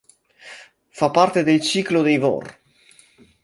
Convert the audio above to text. Fa parte del "ciclo dei Vor".